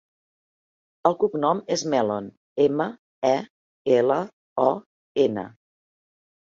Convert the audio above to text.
El cognom és Melon: ema, e, ela, o, ena.